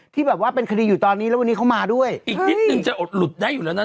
ที่แบบว่าเป็นคดีอยู่ตอนนี้แล้ววันนี้เขามาด้วยอีกนิดนึงจะอดหลุดได้อยู่แล้วนะ